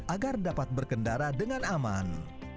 agar dapat berkendara dengan aman